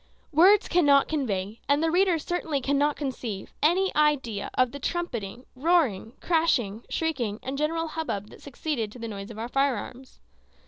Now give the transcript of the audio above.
Words cannot convey, and the reader certainly cannot conceive, any idea of the trumpeting, roaring, crashing, shrieking, and general hubbub that succeeded to the noise of our firearms.